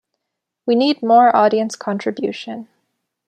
We need more audience contribution.